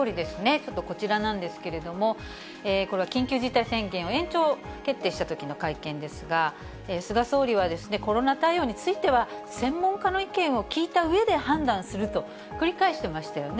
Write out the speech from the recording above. ちょっとこちらなんですけれども、これは緊急事態宣言を延長決定したときの会見ですが、菅総理はコロナ対応については、専門家の意見を聞いたうえで判断すると繰り返してましたよね。